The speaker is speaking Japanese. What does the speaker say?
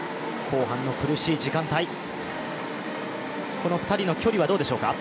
この２人の距離はどうでしょうか？